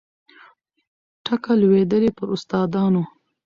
ټکه لوېدلې پر استادانو